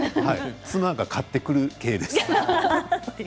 妻が買ってくる系です。